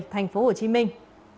thành phố hồ chí minh